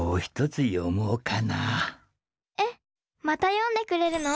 えっまた読んでくれるの？